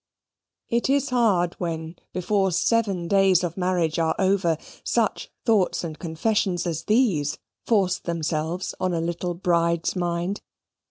It is hard when, before seven days of marriage are over, such thoughts and confessions as these force themselves on a little bride's mind.